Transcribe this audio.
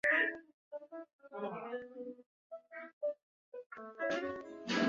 圣欧班德布瓦。